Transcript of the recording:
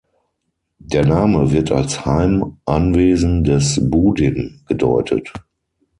Der Name wird als "Heim, Anwesen des Budin" gedeutet.